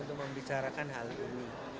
untuk membicarakan hal ini